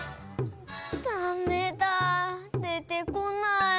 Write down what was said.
ダメだでてこない。